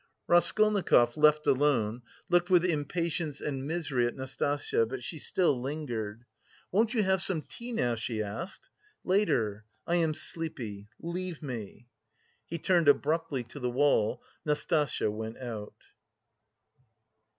Raskolnikov, left alone, looked with impatience and misery at Nastasya, but she still lingered. "Won't you have some tea now?" she asked. "Later! I am sleepy! Leave me." He turned abruptly to the wall; Nastasya went out.